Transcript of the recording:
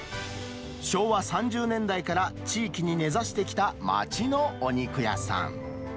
昭和３０年代から地域に根ざしてきた町のお肉屋さん。